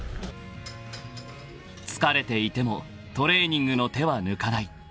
［疲れていてもトレーニングの手は抜かない］